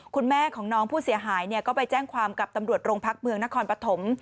คุณแม่ของน้องผู้เสียหายก็ไปแจ้งความกับตำรวจโรงพักเมืองนครปฐม